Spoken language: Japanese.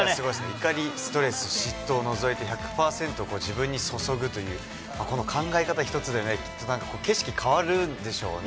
怒り、ストレス、嫉妬を除いて１００％を自分にそそぐという、この考え方一つでね、きっとなんか、景色変わるでしょうね。